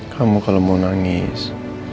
kamu kalau mau nangis